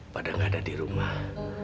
padahal gak ada di rumah